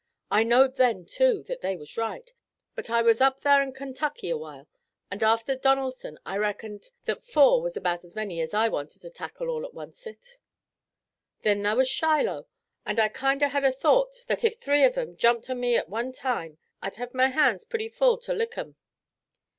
I knowed then, too, that they was right, but I was up thar in Kentucky a while, an' after Donelson I reckoned that four was about as many as I wanted to tackle all to oncet. Then thar was Shiloh, an' I kinder had a thought that if three of 'em jumped on me at one time I'd hev my hands purty full to lick 'em.